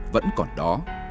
vẫn còn đó